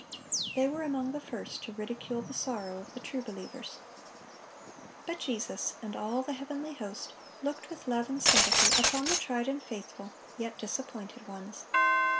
They were among the first to ridicule the sorrow of the true believers. But Jesus and all the heavenly host looked with love and sympathy upon the tried and faithful yet disappointed ones.